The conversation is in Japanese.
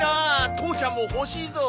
父ちゃんも欲しいぞ。